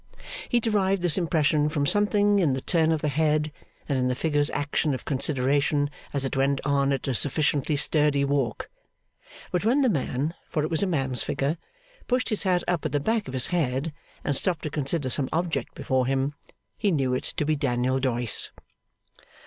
He derived this impression from something in the turn of the head, and in the figure's action of consideration, as it went on at a sufficiently sturdy walk. But when the man for it was a man's figure pushed his hat up at the back of his head, and stopped to consider some object before him, he knew it to be Daniel Doyce.